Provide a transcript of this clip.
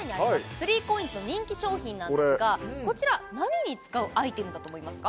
３ＣＯＩＮＳの人気商品なんですがこちら何に使うアイテムだと思いますか？